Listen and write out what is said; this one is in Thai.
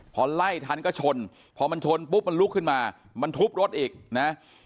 พอไล่ทันก็ชนพอมันชนปุ๊บมันลุกขึ้นมามันทุบรถอีกนะ